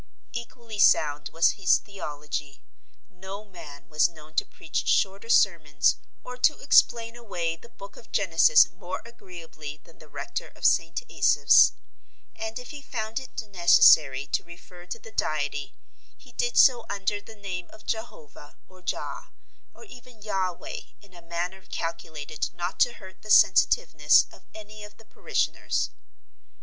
Equally sound was his theology. No man was known to preach shorter sermons or to explain away the book of Genesis more agreeably than the rector of St. Asaph's; and if he found it necessary to refer to the Deity he did so under the name of Jehovah or Jah, or even Yaweh in a manner calculated not to hurt the sensitiveness of any of the parishioners.